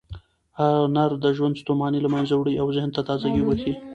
هنر د ژوند ستوماني له منځه وړي او ذهن ته تازه ګۍ بښي.